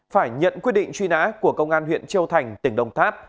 phải nhận quyết định truy nã của công an huyện châu thành tỉnh đồng tháp